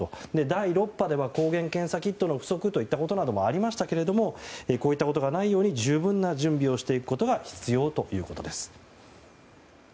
第６波では抗原検査キットの不足といったこともありましたけれどもこういったことがないように十分な準備をしておくことが必要だということです。